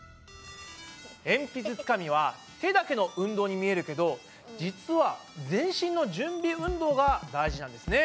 えんぴつつかみは手だけの運動に見えるけど実は全身の準備運動が大事なんですね。